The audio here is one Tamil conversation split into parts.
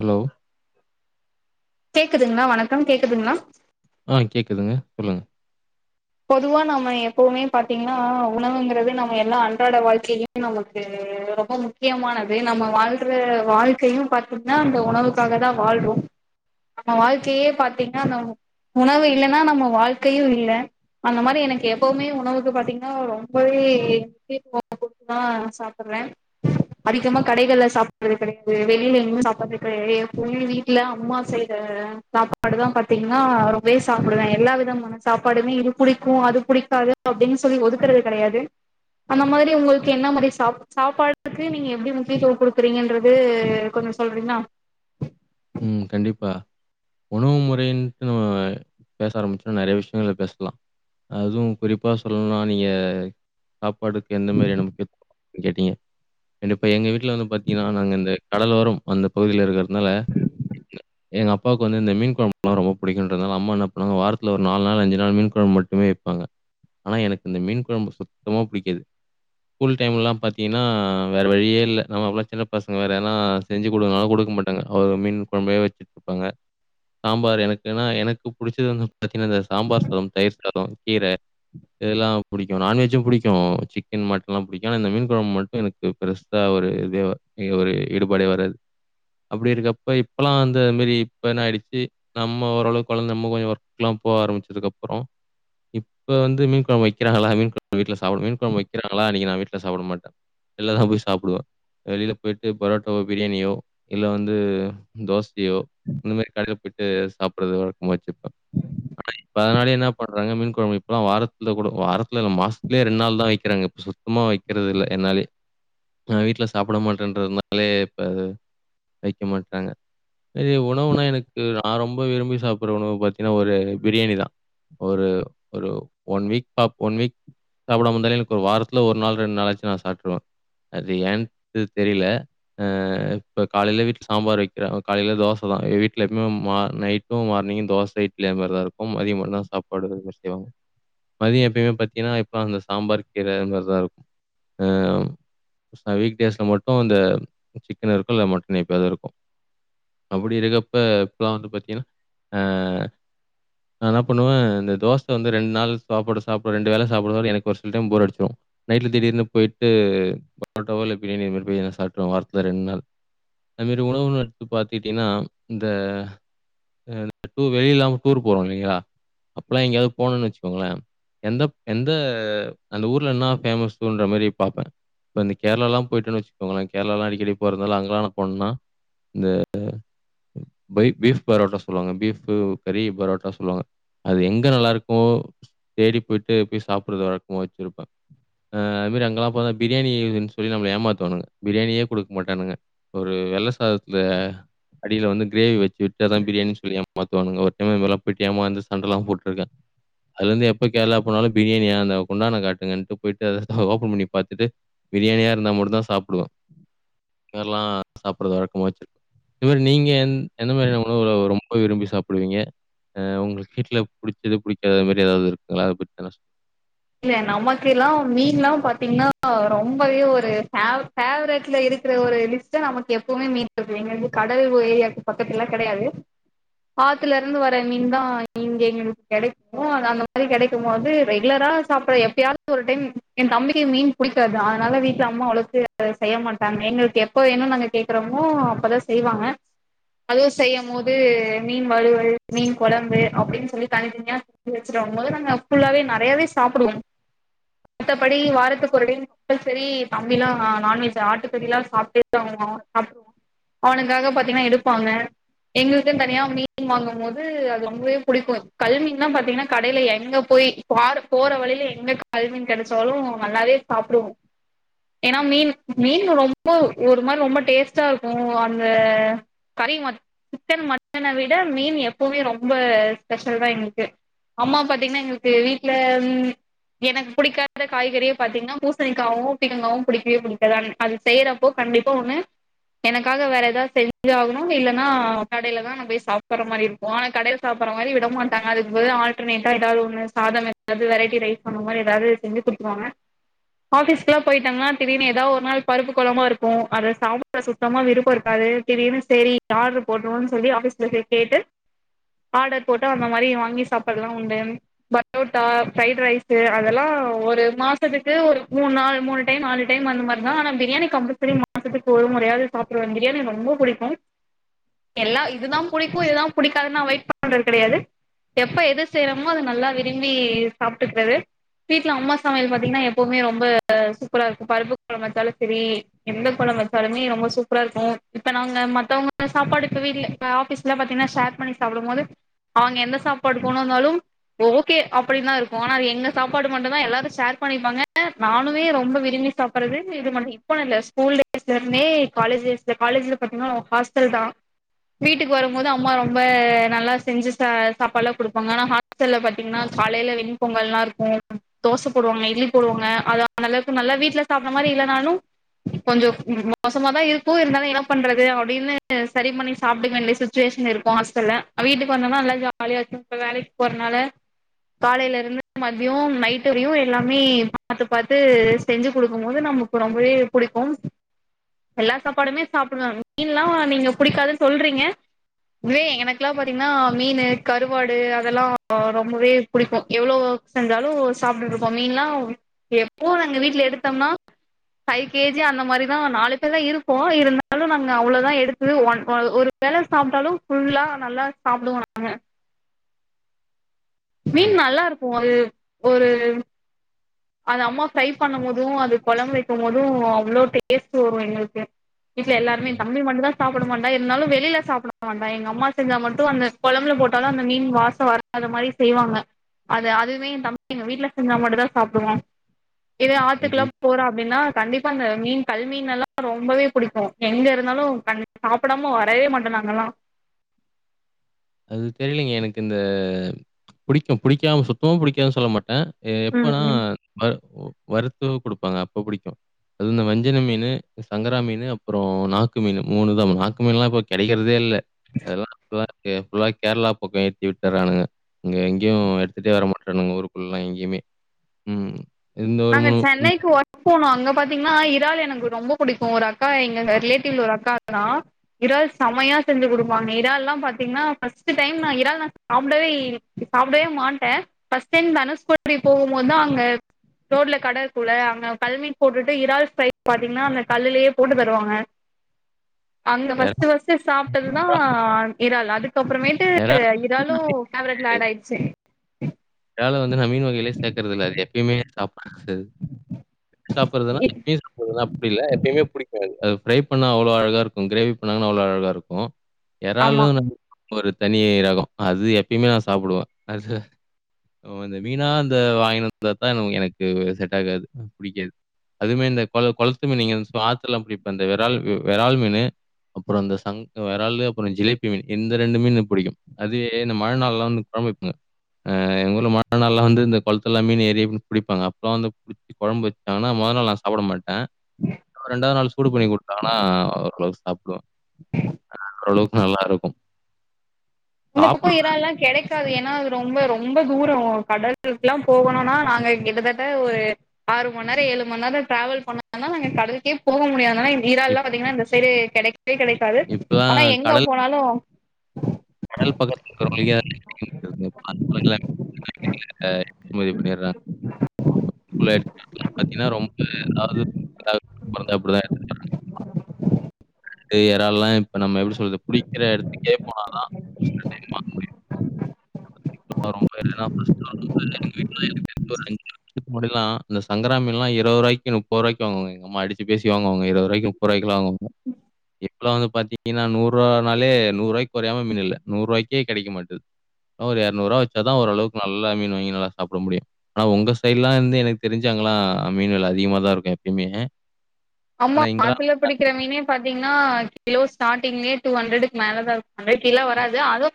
ஹலோ கேக்குதுங்ளா வணக்கம் கேக்குதுங்ளா ஆ கேட்குதுங்க சொல்லுங்க பொதுவா நம்ம எப்பவுமே பாத்தீங்கன்னா உணவு எங்கிறது நம்ம எல்லாம் அன்றாட வாழ்க்கையிலு நமக்கு ரொம்ப முக்கியமானது நம்ம வாழ்ற வாழ்க்கையு பாத் தீங்ன்னா அந்த உணவுக்காக தான் வாழ்றோ நம்ம வாழ்க்கையே பாத்தீங்கன்னா நம் உணவு இல்லன்னா நம்ம வாழ்க்கையும் இல்ல அந்த மாரி எனக்கு எப்பவுமே உணவுக்கு பாத்தீங்கன்னா ரொம்பவே [unintelligible] சாப்பற அதிகமா கடைகள்ல சாப்பறது கெடையாது வெளியில என்கயு சாப்பறது கெடையாது எப்பயுமே வீட் ல அம்மா செய்ற சாப்பாடு தான் பாத்தீங்கன்னா ரொம்பவே சாப்பிடுவே எல்லா விதமான சாப்பாடுமே இருக் புடிக்கு அது புடிக்காது அப்படின் சொல்லி ஒதுக்குறது கெடையாது அந்த மாதிரி உங்குளுக்கு என்ன மாதிரி சா சாப்பாடுக்கு நீங்க எப்டி முக்கியத்துவம் குடுக்குறீங்கன்றது கொஞ்ச சொலுங்க சொல்றிங்ளா உம் கண்டிப்பா உணவு முறையின்டு நம்ம பேச ஆரம்பிச்சுட்டு நெறைய விஷயங்கள் பேசலா அதுவுமகுறிப்பா சொல்லும்னா நீங்க சாப்பாட்டுக் எந்த மாரியான முக்யத் கேட்டிங்க கண்டிப்பா எங்க வீட்ல வந்து பாத்தீங்கன்னா நாங்க இந்த கடலோர அந்த பகுதில இருக்கற்துனால எங்கஅப்பாவுக்கு வந்து இந்த மீன் கொழம்புலா ரொம்ப புடிக்குன்றத்னால அம்மா என்ன பண்ணாவாங்க வாரத்துல ஒரு நால் நாள் அஞ்சு நாள் மீன் குழம்பு மட்டுமே பாங்க ஆனா எனக்கு இந்த மீன் கொழம்பு சுத்தமா புடிக்காது ஸ்கூல் டைம்லல்லா பாத்திங்னா வேற வழியே இல்ல நம்ம அப்பலா சின்ன பசங்க வேற ஏனா செஞ்சு குடுங்கன்னாலு குடுக்க மாட்டாங்க மீன் கொழம்பே வச்சிட்ருபாங்க சாம்பார் எனக்குனா எனக்கு புடிச்சது வந்து பத்தீனா இந்த சாம்பார் சாதோ தயிர் சாதோ கீர இதெல்லா புடிக்கு நான்வெஜும் புடிக்கு சிக்கன் மட்டன்லா புடிக்கு ஆன இந்த மீன் கொழம்பு மட்டு எனக் பெருச ஒரு இது ஒரு ஈடுபாடே வராது அப்டி இருக்கறப்ப இப்பலா வந்து அதுமேரி இப்ப என்ன ஆயிடுச்சு நம்ம ஓரளவுக்கு கொழந்தை நம்ம கொஞ்ச ஒர்க்குக்லா போக ஆரம்பிச்சதுக்கு அப்புறோ இப்ப வந்து மீன் கொழம்பு வக்கிறாங்ளா கொழம்பு வீட்ல சாப்புட மீன் கொழம்பு வக்கிறாங்லா அன்னக்கி நா வீட்ல சாப்புடமாட்ட வெள்ளதா போய் சாப்புடுவ வெளில போய்ட்டு பரோட்டாவோ பிரியாணியோ இல்ல வந்து தோசயோ இந்த மாரி கடைல போயிட்டு சாப்புடுறது வழக்கமா வச்சுப்ப ஆனா இப்ப அதனாலே என்ன பண்றாங்க மீன் கொழம்பு இப்பல்லா வாரத்துல கூட வாரத்துல மாசத்துலே ரெண்டு நாள் தா வக்கிறாங்க இப் சும்மா வக்கறதுல்ல என்னாலே நா வீட்ல சாப்புட மாட்டேன்றந்து மக்ளே இப்ப வைக்க மாட்டாங்க பெரிய உணவுனா எனக்கு நா ரொம்ப விரும்பி சாப்புட்ற உணவு பாத்தீங்னா ஒரு பிரியாணி தா ஒரு ஒரு ஒன் வீக் பாப் ஒன் வீக் சாப்புடாம மஇருந்தாலே எனக்கு ஒரு வாரத்து ஒரு நாள் ரெண் நாளுச்சு நா சாட்ருவ அது ஏன் து தெரில அ ப்ப காலைல வீட்ல சாம்பார் வக்கிறாங்க காலைல தோசதா எங் வீட்ல எப்பமே மா நைட்டு மார்னிங்கு தோச இட்லி அது மேர் தா இருக்கு பொம் அதிக்மாதா சாப்பாடு செய்வாங் மதிய எப்பயுமே பாத்தீங்கன்னா இப்பா அந்த சாம்பார் கீர அதுமேர்தா இருக்கு அ ச வீக் டேஸ்ல மட்டு இந்த சிக்கன் இருக்கு இல்ல மட்டன் எப்யாது இருக்கு அப்புடி இருக்கப்ப இப்பலா வந்து பாத்தீங்கனா அ நா என்ன பண்ணுவ இந்த தோச வந்து ரெண் நாள் சாப்பாடு சாப்ட ரெண்டு வேல சாப்டவாது எனக்கு ஒர் சில டைம் போர் அடிச்சிடு நைட்ல திடீர்னு போய்ட்டு புரோட்டாவோ இல்ல பிரியாணிவோ இத்மேரி போய் எதா சாப்ட்ருவ வார்த்துல ரெண் நாள் அந்த மேரி உணவுகள் எடுத்து பாத்துட்டினா இந்த டூ வெளியல்லாம் டூர் போறோ இல்லைங்ளா அப்லா எங்யாவ்து போணுன் வச்சுக்கோங்ளே எந்தப் எந்த அந்த ஊர்ல இன்ன பேஃமஸ்ன்ற மாரி பாப்பே இப்ப இந்த கேர்ளாலா போயிட்டோனு வச்சுக்கோங்கள கேர்ளாலா அடிக்கடி போரதால அங்லா நா போனுன்னா இந்த பை பீஃப் பரோட்டா சொல்லுவாங்க பீஃபு கறி பரோட்டா சொல்லுவாங்க அது எங்க நல்லா இருக்கோ தேடி போயிட்டு போய் சாப்புட்றது வழக்கமா வச்சிருப்ப அதுமேரி அங்கல்லா பாத்தா பிரியாணி இதுன் சொல்லி நம்ல ஏமாத்துவாணுங்க பிரியாணியே குடுக்மாட் டானுங்க ஒரு வெள்ள சாதத்ல அடில வந்து கிரேவி வச்சு விட்டு அதா பிரியாணின் சொல்லி ஏமாத்துவானுங்க ஒரு டைம் இதுமாரிலா போய்ட்டு ஏமாந்து சண்டலா போட்ருக்க அதுலேந்து எப்ப கேர்ளா போனாலு பிரியாணிய அந்த குண்டான காட்டுங்க போய்ட்டு அத ஓப்பன் பண்ணி பாத்துட்டு பிரியாணியா இருந்தா மட்டுந்தா சாப்புடுவ இதல்லா சாப்புற்ற வழக்கமா வச்சிருக் இந்த மேரி நீங்க எந்த மாரிான உணவுகல ரொம்ப விரும்பி சாப்புடுவீங்க அ ஒங்ளுக் வீட்ல புடிச்சது புடிச்சதுடிக்காது அது மாரி ஏதாவ்து இருக்குங்கள அத பத்தி வேணா சொ இல்ல நமக்குல்லா மீன்ல்லா பாத்தீங்னா ரொம்பவே ஒரு ஃபேவ்ரு பேவரட்ல இருக்கிற ஒரு லிஸ்ட நமக்கு எப்பவுமே மீன் [unintelligible] கடல் ஏரியாக்கு பக்கத்துலா கெடையாது ஆத்துல இருந்து வர மீன் தா இங்க எங்களுக்கு கெடைக்கு அது அந்த மாரி கெடைக்கும் போது ரெகுலரா சாப்பிடற எப்பையாது ஒரு டைம் என் தம்பிக்கு மீன் புடிக்காது அதனால வீட்டுல அம்மா அவுனுக்கு அ செய்ய மாட்டாங்க எங்களுக்கு எப்ப வேணுன்னு நாங்க கேக்குறோமோ அப்பதா செய்வாங்க அதுவு செய்யும் போது மீன் வலுவல் மீன் கொழம்பு அப்டின்னு சொல்லி தனித் தனியா வச்சுவோம் போது நாங்க ஃபுல்லாவே நெறையாவே சாப்பிடுவோ மத்தபடி வாரத்துக்கு ஒரு டம் கம்பல்சரி தம்பிலா நான்வெஜ் ஆட்டுக்கறி சாப்பிட்டே தா சாப்பிடுவோ அவனுக்காக பாத்தீங்கன்னா எடுப்பாங்க எங்களுக்குன்னு தனியா மீன் வாங்கும் போது அது ரொம்பவே பிடிக்கும் கல்மீன் தா பாத்தீங்கன்னா கடையில எங்க போய் பார் போற வழியில எங்க கல்மீன் கெடைச்சாலு நல்லாவே சாப்பிடுவோ ஏன்னா மீன் மீன் ரொம்ப ஒரு மாரி ரொம்ப டேஸ்ட்டா இருக்கு அந்த கறி மட் சிக்கன் மட்டனை விட மீன் எப்பவுமே ரொம்ப ஸ்பெஷல் தா எங்களுக்கு அம்மா பாத்தீங்கன்னா எங்களுக்கு வீட்டு்ல எனக்கு பிடிக்காத காய்கறியை பாத்தீங்கன்னா பூசணிக்காயாவு பீக்கங்காவு புடிக்கவே புடிக்காதா அது செய்யறப்போ கண்டிப்பா ஒண்ணு எனக்காக வேற ஏதது செஞ்ச ஆகணு இல்லனா கடையில தா நா போய் சாப்பற மாரி இரு ஆ கடையில் சாப்படுற மாரி விட மாட்டாங்க அதுக்கு பதிலா ஆல்டர்னேட்ட ஏதாவது ஒன்னு சாதமெ தாவது வெரைட்டி ரைஸ் அந்த மாரி ஏதாவது செஞ்சு குடுத்துருவாங்க ஆபிஸ்குல்லா போயிட்டாங்கன்னா திடீனு ஏதது ஒரு நாள் பருப்பு கொழம்பா இருக்கு அதை சாப் சுத்தமா விருப்போ இருக்காது தீடீர்ன்னு செரி ஆடரு போட்ருவோன்னு சொல்லி ஆஃபீஸ்ல போய் கேட்டு ஆடர் போட்டு அந்த மாரி வாங்கி சாப்ட்டதெல்லா உண்டு பரோட்டா ஃப்ரைட் ரைஸு அதெல்லா ஒரு மாசத்துக்கு ஒரு மூண் நாள் மூணு டைம் நாலுடைம் அந்த மாரி தா ஆனா பிரியாணி கம்பல்சரி மாசத்துக்கு ஒரு முறையாவது சாப்பிடுவே பிரியாணி ரொம்ப புடிக்கு எல்லா இதுதா புடிக்கு இதுதா புடிக்காதுன்னு அவாய்ட் பண்றது கிடையாது எப்ப எது செய்யறோமோ அது நல்லா விரும்பி சாப்பிட்டுக்கிறது வீட்டுல அம்மா சமையல் பாத்தீங்கன்னா எப்பவுமே ரொம்ப சூப்பரா இருக்கு பருப்பு கொழம்பு வச்சாலு செரி எந்த கொழம்பு வச்சாலுமே ரொம்ப சூப்பரா இருக்கு இப்ப நாங்க மத்தவங்க சாப்பாடு இப்ப வீட்ல ஆ ஆபீஸ்ல பாத்தீங்கன்னா ஷேர் பண்ணி சாப்பிடும்போது அவங்க எந்த சாப்பாடு கொண்டு வந்தாலு ஓ கே அப்படின் தா இருக்கு ஆனா எங்க சாப்பாடு மட்டும்தா எல்லாரும் ஷேர் பண்ணிப்பாங்க நானமே ரொம்ப விரும்பி சாப்பறது இது [unintelligible] இப்போ இல்ல ஸ்கூல் டேஸ்ல இருந்தே காலேஜ் டேஸ்ல காலேஜ்ல பாத்தீங்கன்னா ஹாஸ்டல் தா வீட்டுக்கு வரும்போது அம்மா ரொம்ப நல்லா செஞ்சு சா சாப்பாடுல்லா குடுப்பாங்க ஆனா ஹாஸ்டல்ல பாத் தீங்கன்னா காலையில வெண் பொங்கல்லா இருக்கு தோசை போடுவாங்க இட்லி போடுவாங்க அத அந்தளவுக்கு நல்லா வீட்டு்ல சாப்பற மாரி இல்லைனாலு கொஞ்சம் மோசமாதா இருக்கு இருந்தாலு என்ன பண்றது அப்டின்னு சரி பண்ணி சாப்பிடுங்க மெஸ்ஸு சுட்டிவேஷன் இருக்கு ஹாஸ்டல்ல வீட்டுக்கு வந்தனா நல்லா ஜாலியா இருக்கு இப்ப வேலைக்கு போறனால காலையில இருந்து மதியம் நைட்டு வரையு எல்லாமே பாத்து பாத்து செஞ்சு குடுக்கும் போது நம்ம ரொம்பவே புடிக்கும் எல்லா சாப்பாடுமே சாப்பிடுவே மீன் எல்லா நீங்க புடிக்காதுன்னு சொல்றீங்க இதுவே எனக்கெல்லாம் பாத்தீங்கன்னா மீனு கருவாடு அதெல்லா ரொ ரொம்பவே பிடிக்கு எவ்ளோ செஞ்சாலு சாப்டுட்ருக்கோ மீன்லா எப்புவு நாங்க வீட்ல எடுத்தம்னா பைவ் கேஜி அந்த மாரிதா நாலு பேரும் இருபோ இருந்தாலு நாங்க அவ்ளோதா எடுத்து ஒன் ஆ ஒரு வேல சாப்டாலு ஃபுல்லா நல்லா சாப்டுவோ நாங்க மீன் ம். நல்லா இருக்கு அது ஒரு அது அம்மா ஃப்ரை பண்ணும் போதும் அது கொளம்பு வெக்கும் போதும் அவ்ளோ டேஸ்ட் வரு எங்களுக்கு வீட்டுல எல்லாருமே ம். தம்பி மட்டுதா சாப்பட மாட்டா இருந்தாலு வெளியில சாப்பட மாட்டா எங்க அம்மா செஞ்சா மட்டு அந்த கொளம்புல போட்டாலு அந்த மீன் வாஷோ வ அதமாரி செய்வாங்க அது அதுவே எ தம்பி எங்க வீட்டுல செஞ்சா மட்டதா சாப்டுவா இது அது ஆத்துக்கெல்லா போற அப்டின்னா கண்டிப்பா அந்த மீன் கல்மீன் எல்லா ரொம்பவே புடிக்கு எங்க இருந்தாலு கண் சாப்புடாம வரவே மாட்டோ நாங்கல்லா அது தெரிலிங்க எனக்கு இந்த புடிக்கும் புடிக்காம சுத்தமா புடிக்கது சொல்ல மாட்டே எ எப்பனா ம் வறு வறுத்து குடுப்பாங்க அப்ப புடிக்கு அது இந்த வஞ்சன மீனு சங்கரா மீனு அப்புறோ நாக்கு மீனு மூணு தா நாக்கு மீன்லா இப்போ கெடைக்கிறதே இல்லே அதெல்லா [inaudible] ஃபுல்லா கேர்ளா பக்க ஏத்தி விட்டுறானுங்க இங்க எங்கயு எடுத்துட்டே வர மாட்டானுங்க ஊருக்குள்ள எங்கேயுமே ம் இந்த ஒரு நாங்க சென்னைக்கு ஒ போணோ அங்க பாத்தீங்கன்னா இறால் எனக்கு ரொம்ப புடிக்கு ஒரு அக்கா எங்க ரிலேட்டிவ்ல ஒரு அக்கா தா இறால் சமையா செஞ்சு குடுப்பாங்க இரால்லா பாத்தீஙன்னா பஸ்ட்டு டைம் நா இறால் நா சாப்டவே சாப்டவே மாட்டே பர்ஸ்ட் டைம் தனுஸ்கோடி போம் போதுதா அங்க ரோட்ல கட இருக்குல்ல அங்க கல்மீன் போட்டுட்டு இறால் ஃப்ரை பாத்தீங்ன்னா அந்த கல்லுலேயே போட்டு தருவாங்க அங்க எறா ஃபஸ்ட்டு ஃபஸ்ட்டு சாப்ட்டதுதா இறால் அதுக்கப்புறமேட்டு எறா இறால்லு அவருக் ஆட் ஆய்ர்ச்சு எறால் வந்து நா மீன் வகையிலே சேக்கறது இல்ல அது எப்பயுமே சாப்புறது அது சாப்றதுனா டேஸ்ட்டு எப்பயுமே புடிக்காது அது ஃப்ரை பண்ணா அவ்ளோ அழகா இருக்கு கிரேவி பண்ணாங்கன்னா அவ்ளோ அழகா இருக்கு ஆமா எறால்லு ஒரு தனி ரகோ அது எப்பிம்மே நா சாப்புடுவ அது ஓ இந்த மீனா இந்த வாங்கினு வந்தா தா எனக்கு செட் ஆகாது புடிக்காது அதுமே இந்த கொள் கொள்த்து மீன் நீங்க ஆத்துல புடிப்ப இந்த வெறால் வெறால் மீனு அப்புறோ அந்த சங் வெறாலு அப்புறோ ஜிலேபி மீன் இந்த ரெண்டு மீனு புடிக்கு அதே இந்த மழ் நாள்ல்லா வந்து கொழம்பு வக்குங்க அ எங்க ஊர்ள மழ நாள்லா வந்து இந்த குள்துல்லா மீன் ஏறின் புடிப்பாங்க அப்பலா வந்து கொளம்பு வச்சாங்னா மொத நாள் நா சாப்பட மாட்டே ரெண்டாவ் நாள் சூடு பண்ணி குடுத்தாங்கன்னா ஓரளவுக்கு சாப்டுவெ ஆ ஓரளவுக்கு நல்லா இருக்கும் இந்த பக்கோ இரால்லா கெடைக் அது ஏன்னா அது ரொம்ப ரொம்ப தூரோ கடல்குகலா போகணுன்னா நாங்க கிட்டத்தட்ட ஒரு ஆறு மண்நேர ஏழுமண் நேர ட்ராவெல் பண்ணதா கடல்கே போக முடியாதுனாள ஈறால்லா இப் பாத்தீங்கன்னா இந்த சைடு கெடைக்கவே கெடைக்காது ஆனா இப்பலாம் எங்க கடல் போனாலு கடல் பக்கத்துல இருக்குறவிங்க [inaudible] [inaudible] ஆ இமதி பண்ணிற்றாங் [inaudible] பாத்தீங்ன்னா ரொம்ப அதாவது [inaudible] அது எறால்லா இப்ப நம்ம எப்டி சொல்றது புடிக்கற எடத்துக்கே போனானா [inaudible] [inaudible] இதுக்கு முன்னாடில்லா இந்த சங்கரா மீன்லா இரவரூவாய்க்கி முப்பரூவாய்க்கி வாங்குவாங்க எங்கம்மா அடிச்சு பேசி வாங்கு வாங்க இரவரூவாய்க்கு [unintelligible] இப்பலா வந்து பாத்திங்கின்ன நூறுவானாலே நூறுவாய்க் கொறையாம மீன் இல்ல நூறுவாய்க்கே கெடைக்க மாட்டுது ன்ன ஒரு இரநூறுவா வச்சா தா ஓரளவுக்கு நல்லா மீன் வாங்கி நல்லா சாப்ட முடியு ஆனா உங்க சைட்ல்லா வந்து எனக் தெரிஞ்சு அங்கெல்லா மீன் வெல அதிகமா தா இருக்கு எப்பிம்மே ஆம்மா ஆத்துல பிடிக்கிற மீனே பாத்தீங்கன்னா கிலோ ஸ்டார்டிங்லே டூ ஹண்ட்ரடுக்கு மேலதா இருக்கும் அதுக்கு கீழ வராது அது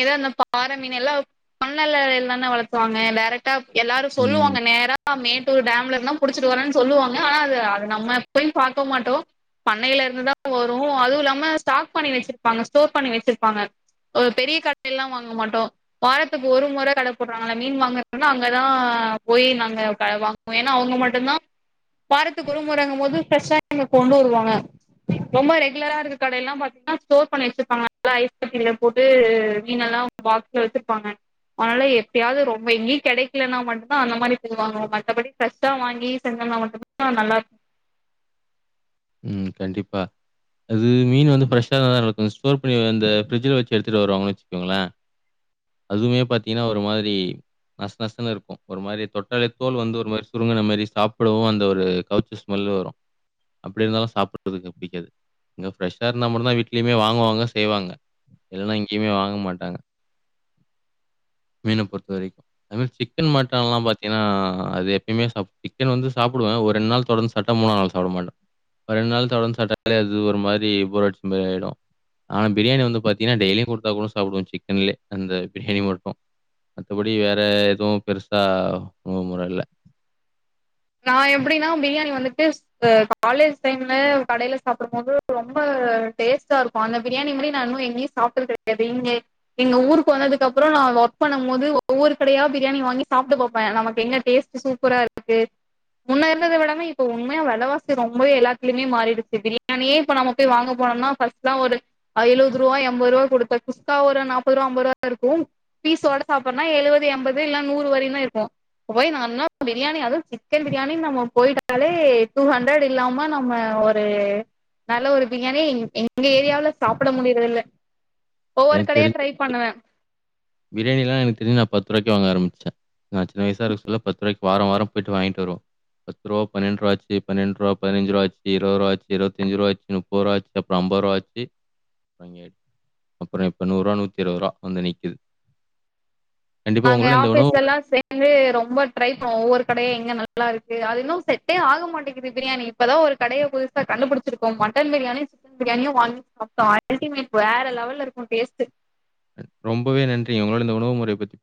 ஏதோ இந்த பாறை மீனல்லா பண்ண உள்ளவங்கதான வளத்துவாங்க டரக் டா எல்லாரு ம், சொல்லுவாங்க நேரா மேட்டூர் டேம்லருந்த புடிச்சிட்டு வரன்னு சொல்லுவாங்க ஆனா அது அது நம்ம போய் பாக்க மாட்டோ பண்ணையிலருந்துதா வரு அதுவு இல்லாம ஸ்டாக் பண்ணி வச்சிருப்பாங்க ஸ்டோர் பண்ணி வச்சிருப்பாங்க ஒரு பெரிய கடையல்லா வாங்க மாட்டோ வாரத்துக்கு ஒரு முற கட போட்றாங்கள மீன் வாங்குறதுனா அங்கதா போய் நாங்க க வாங் ஏன்னா அவங்க மட்டும்தா வாரத்துக்கு ஒரு மொறங்கும்போது ஃப்ரெஷா அங்க கொண்டு வருவாங்க ரொம்ப ரெகுலரா இருக்கு கடையெல்லா பாத்தீங்கன்னா ஸ்டோர் பண்ணி வச்சிருப்பாங்க நல்ல ஐஸ் கட்டி போட்டு மீனெல்லா பாக்ஸ்ல வச்சிருப்பாங்க அதனால எப்பயாவது ரொம்ப எங்கயு கெடைக்கலன்னா மட்டு்தா அந்த மாரி போய் வாங்குவோ மத்தபடி ஃப்ரெஷ்ஷா வாங்கி செஞ்சம்னா மட்டும்தா ஆ நல்லாருக் ம் கண்டிப்பா அது மீன் வந்து ஃப்ரெஷா தா இருக்கும் ஸ்டோர் பண்ணி அந்த ஃபிரிட்ஜ்ல்ல வச்சு எடுத்துட்டு வருவாங்கன்னு வச்சுக்கோங்கள அதுவுமே பாத்தீங்கன்னா ஒரு மாரி நஷநஷன்னு இருக்கும் ஒரு மாரி தொட்டாலே தோல் வந்து ஒரு மாரி சுருங்கின மாரி சாப்டவு அந்த ஒரு கவுச்சி ஸ்மெல்லு வரு அப்டி இருந்தாலு சாப்டுறதுக்கு பிடிக்காது கொஞ்ச ஃப்ரெஷா இருந்தா மட்டும்தா வீட்லயுமே வாங்குவாங்க செய்வாங்க இல்லனா எங்கேயுமே வாங்க மாட்டாங்க மீன பொறுத்த வரைக்கும் அது மாரி சிக்கன் மட்டன்ல்லா பாத்தீங்கன்னா அது எப்பயுமே சாப் சிக்கன் வந்து சாப்புடுவ ஒரு ரெண்டு நாள் தொடர்ந்து சாப்ட்டா மூணா நாள் சாப்ட மாட்ட ஒரு ரெண்டு நாள் தொடர்ந்து சாப்ட்டாலே அது ஒரு மாரி போரட் மாரி ஆயிரு ஆனா பிரியாணி வந்து பாத்தீங்கன்னா டெய்லியு கொடுத்தா கூட சாப்புடுவ சிக்கன்லயே இந்த பிரியாணி மட்டு மத்த படி வேற எதுவு பெருசா மு மொற இல்ல நா எப்டின்னா பிரியாணி வந்துட்டு இப்ப காலேஜ் டைம்ல கடையில சாப்டும் போது ரொம்ப டேஸ்ட்டா இருக்கும் அந்த பிரியாணி மாரி நா இன்னு எங்கயு சா சாப்ட்டது கிடையாது நீங்க எங்க ஊருக்கு வந்ததுக்குப்பற நா ஒர்க் பண்ணு போது ஒவ்வரு கடயா பிரியாணி வாங்கி சாப்ட்டு பாப்ப நமக்கு எங்க டேஸ்ட் சூப்பரா இருக்கே முன்ன இருந்தத விடம இப்ப உண்மையா வெலவாசி ரொம்பவே எல்லாத்லயுமே மாரிடிச்சி பிரியாணியே இப்ப நம்ம போய் வாங்க போனம்னா ஃபஸ்ட் அப்பல்லா ஒரு அ எழுவது ருவா எண்பது ருவா குடுத்த குஸ்கா ஒரு நாப்பது ருவா அம்பது ருவா இருக்கும் பீஸோட சாப்பறன்னா எழுவது எம்பது இல்ல நூறு வரையுந்தா இருக்கும் இப்ப போய் நா என்ன பிரியாணி அதுவு சிக்கன் பிரியாணின் நம்ம போயிட்டாலே டூ ஹண்ட்ரட் இல்லாம நம்ம ஒரு நல்ல ஒரு பிரியாணி எங்க ஏரியாவல சாப்ட முடியறது இல்ல ஒவ்வரு கடையா ட்ரை பண்ணுவ பிரியாணியிலா எனக்கு தெரிஞ்சி நா பத்து ரூபாய்க்கு வாங்க ஆரம்பிச்ச நா சின்ன வயசா இருக்க சொல்ல பத்து ரூபாய்க்கு வார வார போயிட்டு வாங்கிட்டு வருவோ பத்து ரூபா பன்னென்டு ரூபா ஆச்சி பன்னென்டு ரூபா பதினஞ்சு ரூபாய் ஆச்சி இருபது ரூபாயச்சி இருபத்தஞ்சி ரூபாயாச்சி முப்பதுருபாச்சி அப்பற அம்பதுரூபாச்சி அப்பற இப்ப நூறுபா நூத்தி இருபது ரூபா வந்து நிக்கிது நாங்க உணவு ஆஃபீஸ்ல்லா சேந் ந்து ரொம்ப ட்ரை ப ஒவ்வொரு கடையா எங்க நல்லாருக்கு அது இன்னு செட்டே ஆக மாட்டங்குது பிரியாணி இப்பதா ஒரு கடைய புதுசா கண்டுபிடிச்சிருக்கோ மட்டன் பிரியாணி பிரியாணியு வங்கி சாப்டோ அல்டிமேட் வேற லெவல்ல இருக்கும் டேஸ்ட்டு ரொம்பவே நன்றிங்க உங்களோட இந்த உணவு முறைய பத்தி பே